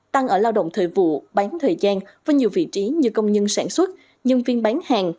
tăng ở lao động thời vụ bán thời gian với nhiều vị trí như công nhân sản xuất nhân viên bán hàng